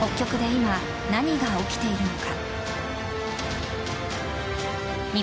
北極で今、何が起きているのか。